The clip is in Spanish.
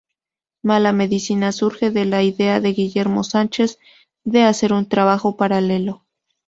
Mala Medicina surge de la idea de Guillermo Sánchez de hacer un trabajo paralelo.